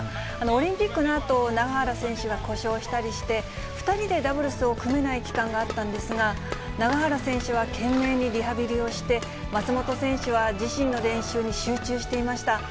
オリンピックのあと、永原選手が故障したりして、２人でダブルスを組めない期間があったんですが、永原選手は懸命にリハビリをして、松本選手は自身の練習に集中していました。